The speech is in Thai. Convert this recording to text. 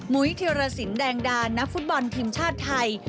มุยเทียรศิลป์แดงดานักฟุตบอลทีมชาติไทย